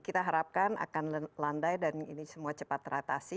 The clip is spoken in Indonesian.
kita harapkan akan landai dan ini semua cepat teratasi